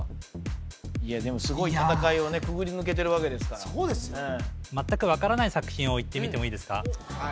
すごい戦いをくぐり抜けてるわけですからそうですよ全く分からない作品をいってみてもいいですか？